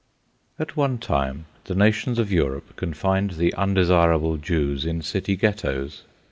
At one time the nations of Europe confined the undesirable Jews in city ghettos.